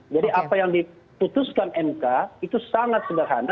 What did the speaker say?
jadi apa yang diputuskan mk itu sangat sederhana